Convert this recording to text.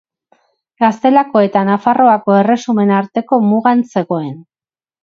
Gaztelako eta Nafarroako Erresumen arteko mugan zegoen.